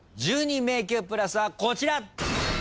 １２迷宮プラスはこちら！